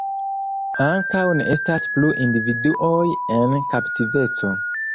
Ankaŭ ne estas plu individuoj en kaptiveco.